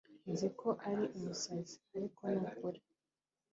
Nzi ko ari umusazi ariko ni ukuri